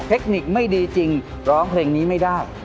เทคนิคไม่ดีจริงร้องเพลงนี้ไม่ได้